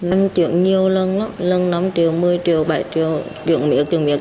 em chuyển nhiều lần lắm lần năm triệu một mươi triệu bảy triệu chuyển miệng chuyển miệng